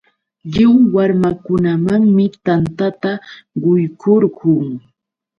Lliw warmakunamanmi tantata quykurqun.